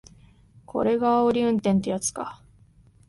これがあおり運転ってやつか